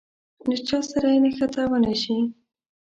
له چا سره يې نښته ونه شي.